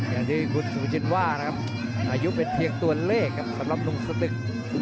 อย่างที่คุณสุจินว่านะครับอายุเป็นเพียงตัวเลขครับสำหรับลุงสตึก